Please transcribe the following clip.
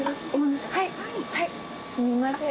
すみません。